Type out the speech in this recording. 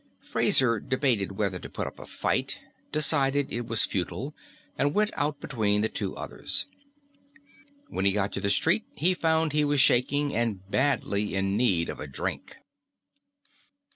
Fraser debated whether to put up a fight, decided it was futile, and went out between the two others. When he got to the street, he found he was shaking, and badly in need of a drink.